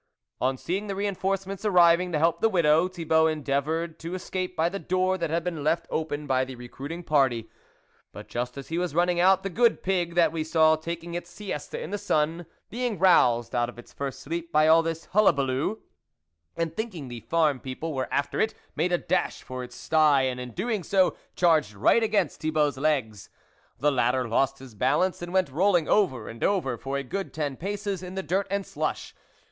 " On seeing the reinforcements arriving to help the widow, Thibault endeavoured to escape by the door that had been left open by the recruiting party, but just as he was running out, the good pig, that we saw taking its siesta in the sun, being roused out of its first sleep by all this hullabaloo, and thinking the farm people were after it, made a dash for its stye, and in so doing charged right against Thi bault's legs. The latter lost his balance, and went rolling over and over for a good ten paces in the dirt and slush.